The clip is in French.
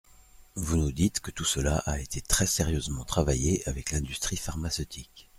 Vous nous dites que tout cela a été très sérieusement travaillé avec l’industrie pharmaceutique.